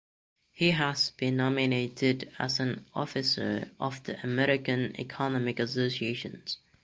He has been nominated as an officer of the American Economic Association.